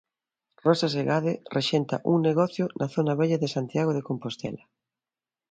Rosa Segade rexenta un negocio na zona vella de Santiago de Compostela.